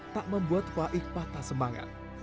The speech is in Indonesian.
tak membuat faik patah semangat